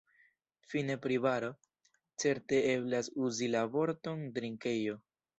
Fine pri baro: Certe eblas uzi la vorton drinkejo.